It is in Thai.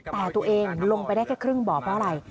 แต่ตัวเองลงไปได้แค่ครึ่งบ่อเพราะอะไร